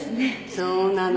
そうなの。